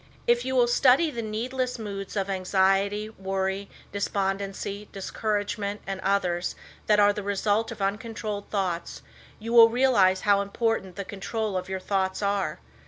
If you will study the needless moods of anxiety, worry, despondency, discouragement and others that are the result of uncontrolled thoughts, you will realize how important the control of your thoughts are.